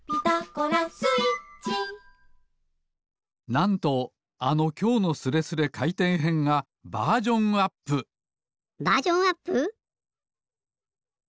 なんとあの「きょうのスレスレかいてんへん」がバージョンアップバージョンアップ！？